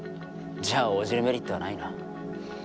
じゃあ応じるメリットはないな。